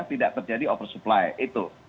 tidak terjadi oversupply itu